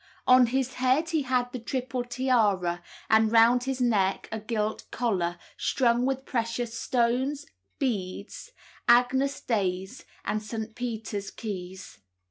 On his head he had the triple tiara, and round his neck a gilt collar, strung with precious stones, beads, Agnus Dei's, and St. Peter's keys.